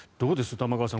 玉川さん。